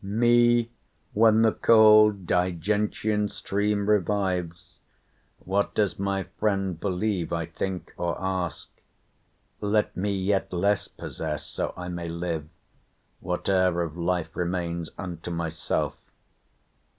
"Me, when the cold Digentian stream revives, What does my friend believe I think or ask? Let me yet less possess, so I may live, Whate'er of life remains, unto myself.